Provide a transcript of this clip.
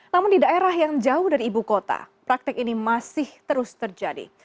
namun di daerah yang jauh dari ibu kota praktek ini masih terus terjadi